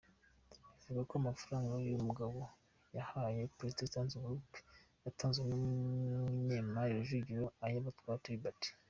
Bivugwa ko amafaranga uyu mugabo yahaye Podesta Group yatanzwe n’umunyemari Rujugiro Ayabatwa Tribert.